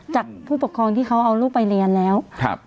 จากผู้ปกครองที่เขาเอาลูกไปเรียนแล้วครับ